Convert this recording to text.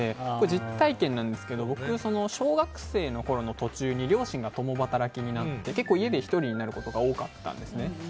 実体験なんですが僕、小学生の途中ぐらいに両親が共働きになって家で１人になることが多かったんです。